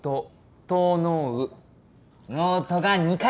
「ノウト」が２回。